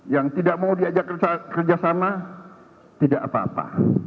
yang tidak mau diajak kerjasama tidak apa apa